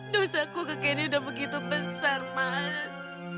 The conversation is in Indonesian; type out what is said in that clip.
dosaku ke candy udah begitu besar mas